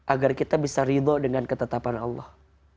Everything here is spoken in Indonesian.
agar kita bisa ridho dengan ketetapan allah